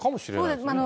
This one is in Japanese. そうですね。